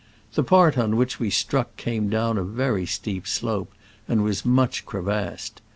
The part on which we struck came down a very steep slope, and was much crevassed.